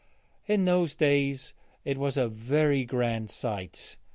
in those days it was a very grand sight.